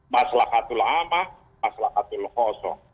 maslahatul amah maslahatul khosong